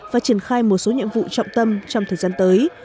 và triển khai một số nhiệm vụ trọng tâm trong thời gian tới